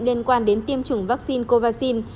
liên quan đến tiêm chủng vaccine covaxin